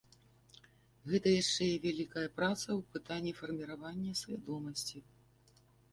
Гэта яшчэ і вялікая праца ў пытанні фарміравання свядомасці.